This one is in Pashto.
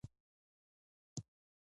او د جلسې وروسته یې